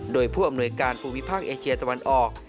โดยผู้อำนวยการภูมิภาคเอเชียตะวันออก